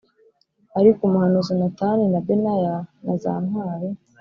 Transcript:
Ariko umuhanuzi Natani na Benaya na za ntwari